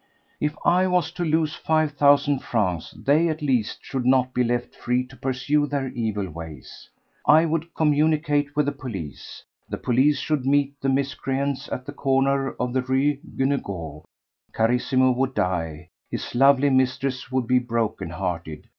If I was to lose five thousand francs, they at least should not be left free to pursue their evil ways. I would communicate with the police; the police should meet the miscreants at the corner of the Rue Guénégaud. Carissimo would die; his lovely mistress would be brokenhearted.